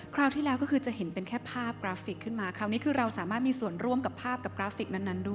คราวที่แล้วก็คือจะเห็นเป็นแค่ภาพกราฟิกขึ้นมาคราวนี้คือเราสามารถมีส่วนร่วมกับภาพกับกราฟิกนั้นด้วย